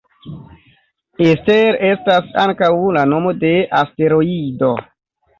Ester estas ankaŭ la nomo de asteroido.